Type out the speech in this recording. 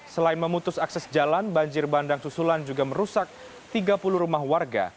selain memutus akses jalan banjir bandang susulan juga merusak tiga puluh rumah warga